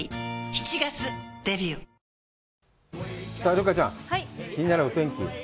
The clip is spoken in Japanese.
留伽ちゃん、気になるお天気。